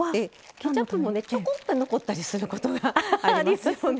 ケチャップもちょこっと残ったりすることありますので。